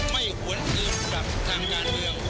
ไม่หวนอื่นกับทางงานเดียว